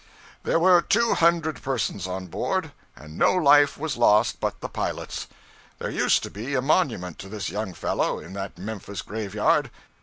There were two hundred persons on board, and no life was lost but the pilot's. There used to be a monument to this young fellow, in that Memphis graveyard.